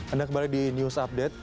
anda kembali di news update